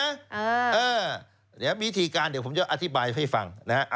เดี๋ยววิธีการเดี๋ยวผมจะอธิบายให้ฟังนะฮะ